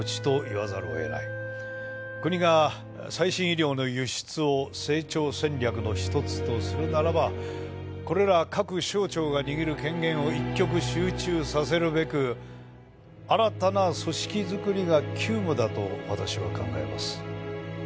国が最新医療の輸出を成長戦略の一つとするならばこれら各省庁が握る権限を一極集中させるべく新たな組織作りが急務だと私は考えます。